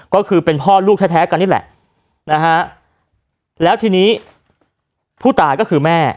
ก็คือเป็นพ่อลูกแท้กันนี่แหละนะฮะแล้วทีนี้ผู้ตายก็คือแม่